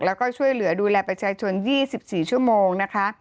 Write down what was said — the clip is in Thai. แล้วก็ช่วยเหลือดูแลประชาชน๒๔ชั่วโมงนะคะ